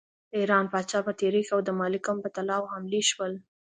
د ایران پاچا په تحریک او د مالکم په طلاوو عملی شول.